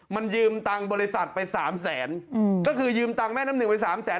มันยืมตังค์บริษัทไปสามแสนอืมก็คือยืมตังค์แม่น้ำหนึ่งไปสามแสน